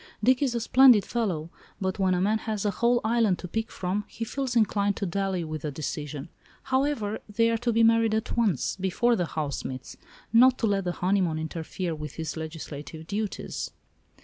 Dick is a splendid fellow, but when a man has a whole island to pick from he feels inclined to dally with a decision. However, they are to be married at once—before the House meets—not to let the honeymoon interfere with his legislative duties."